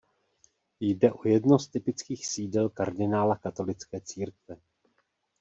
Jde o jedno z typických sídel kardinála katolické církve.